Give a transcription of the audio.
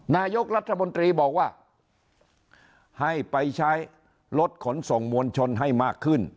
นายกรัฐมนตรีบอกว่าให้ไปใช้รถขนส่งมวลชนให้มากขึ้น